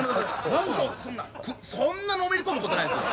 そんなそんなのめり込むことないですよ